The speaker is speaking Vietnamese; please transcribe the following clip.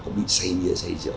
có bị xây dựa xây dựa